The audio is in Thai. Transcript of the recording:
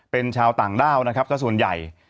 เป็นชาวต่างด้าวนะครับสักส่วนใหญ่